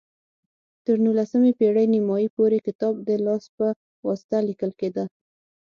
تر نولسمې پېړۍ نیمايي پورې کتاب د لاس په واسطه لیکل کېده.